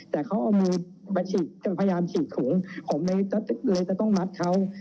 แต่เขาเอามือมาฉีกจะพยายามฉีดถุงผมเลยจะต้องมัดเขา